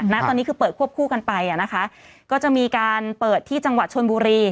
ณตอนนี้คือเปิดควบคู่กันไปอ่ะนะคะก็จะมีการเปิดที่จังหวัดชนบุรี